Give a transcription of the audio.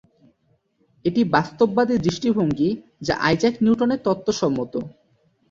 এটি বাস্তববাদী দৃষ্টিভঙ্গি যা আইজ্যাক নিউটনের তত্ত্বসম্মত।